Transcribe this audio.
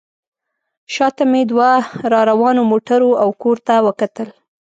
شا ته مې دوو راروانو موټرو او کور ته وکتل.